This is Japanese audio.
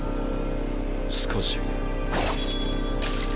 少し。